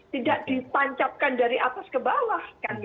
tidak ditancapkan dari atas ke bawah